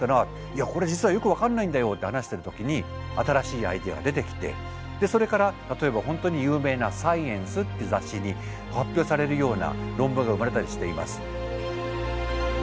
「いやこれ実はよく分かんないんだよ」って話してる時に新しいアイデアが出てきてそれから例えば本当に有名な「サイエンス」って雑誌に発表されるような論文が生まれたりしています。